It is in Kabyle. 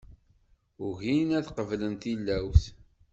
Ugin ad qeblen tillawt.